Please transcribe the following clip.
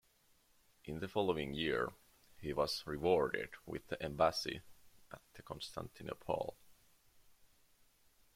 In the following year he was rewarded with the embassy at Constantinople.